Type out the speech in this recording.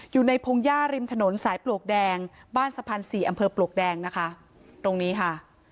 พงหญ้าริมถนนสายปลวกแดงบ้านสะพานสี่อำเภอปลวกแดงนะคะตรงนี้ค่ะ